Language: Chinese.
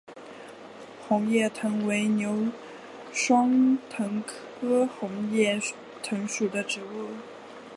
红叶藤为牛栓藤科红叶藤属的植物。